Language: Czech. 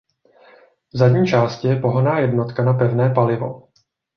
V zadní části je pohonná jednotka na pevné palivo.